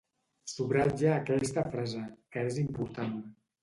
Subratlla aquesta frase, que és important.